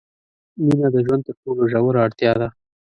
مینه د ژوند تر ټولو ژوره اړتیا ده.